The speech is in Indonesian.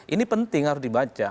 ini penting harus dibaca